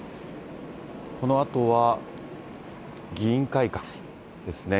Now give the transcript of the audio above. このあとは、議員会館ですね。